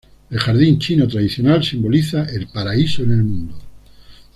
El jardín chino tradicional simboliza el paraíso en el mundo.